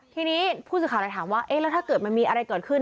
ทีนี้ผู้สื่อข่าวเลยถามว่าเอ๊ะแล้วถ้าเกิดมันมีอะไรเกิดขึ้น